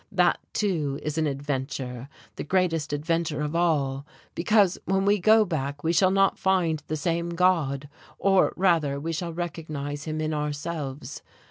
That, too, is an adventure, the greatest adventure of all. Because, when we go back we shall not find the same God or rather we shall recognize him in ourselves.